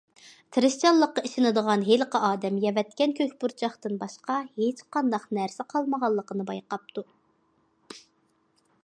تىرىشچانلىققا ئىشىنىدىغان ھېلىقى ئادەم يەۋەتكەن كۆك پۇرچاقتىن باشقا ھېچقانداق نەرسە قالمىغانلىقىنى بايقاپتۇ.